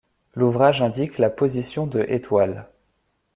L'ouvrage indique la position de étoiles.